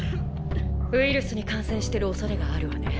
ウイルスに感染してるおそれがあるわね。